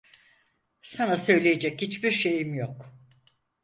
Sana söyleyecek hiçbir şeyim yok.